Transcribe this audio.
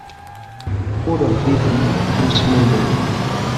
Ur ɛbiden imsemmuden.